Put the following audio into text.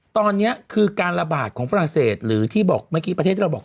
ตอนนี้คือการระบาดของฝรั่งเศสหรือที่บอกเมื่อกี้ประเทศที่เราบอก